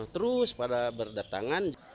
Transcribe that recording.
terus pada berdatangan